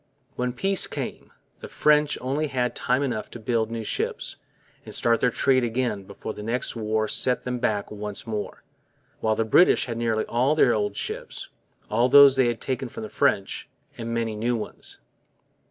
When peace came, the French only had time enough to build new ships and start their trade again before the next war set them back once more; while the British had nearly all their old ships, all those they had taken from the French, and many new ones.